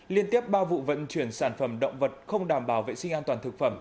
liên tiếp ba vụ vận chuyển sản phẩm động vật không đảm bảo vệ sinh an toàn thực phẩm